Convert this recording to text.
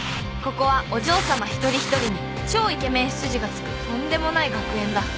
ここはお嬢さま一人一人に超イケメン執事がつくとんでもない学園だ。